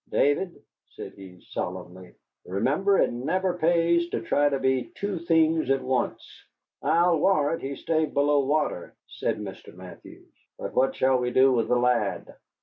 David," said he, solemnly, "remember it never pays to try to be two things at once." "I'll warrant he stayed below water," said Mr. Mathews. "But what shall we do with the lad?"